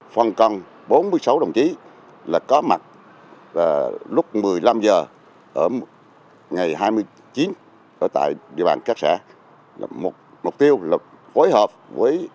phân công bốn mươi sáu đồng chí là có mặt lúc một mươi năm h ở ngày hai mươi chín ở tại địa bàn các xã là một mục tiêu là phối hợp với